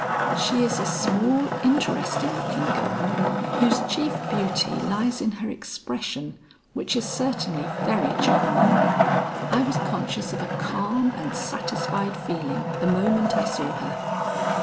She is a small interesting looking girl whose chief beauty lies in her expression which is certainly very charming. I was conscious of a calm and satisfied feeling the moment I saw her.